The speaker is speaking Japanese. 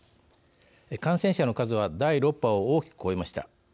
感染者の数は第６波を大きく越えました。